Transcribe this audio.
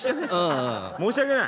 申し訳ない。